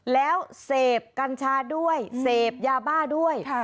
แล้วเสพกัญชาด้วยเสพยาบ้าด้วย